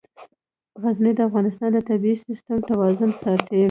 غزني د افغانستان د طبعي سیسټم توازن ساتي.